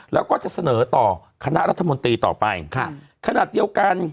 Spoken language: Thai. แล้วก็จะเสนอต่อคณะรัฐมนตรีต่อไปค่ะขนาดเดียวกัน